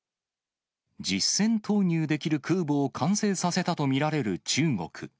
実戦投入できる空母を完成させたと見られる中国。